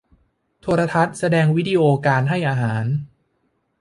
โทรทัศน์แสดงวิดีโอการให้อาหาร